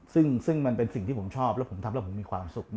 ซึ่งมันเป็นสิ่งที่ผมชอบแล้วผมทำแล้วผมมีความสุข